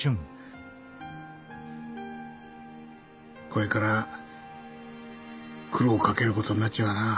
これから苦労かける事になっちまうなぁ。